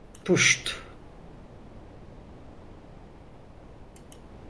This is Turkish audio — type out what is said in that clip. Puşt!